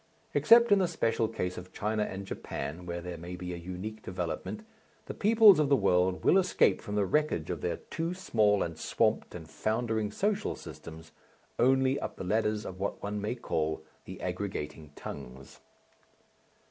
Except in the special case of China and Japan, where there may be a unique development, the peoples of the world will escape from the wreckage of their too small and swamped and foundering social systems, only up the ladders of what one may call the aggregating tongues.